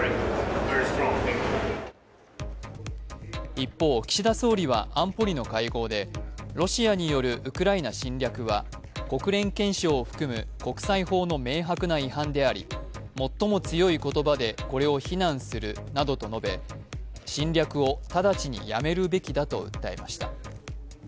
一方、岸田総理は安保理の会合で、ロシアによるウクライナ侵略は国連憲章を含む国際法の明白な違反であり最も強い言葉でこれを非難するなどと述べ、侵略を直ちにやめるべきだと訴えました。